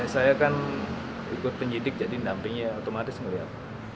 ya saya kan ikut penyidik jadi dampingnya otomatis ngelihat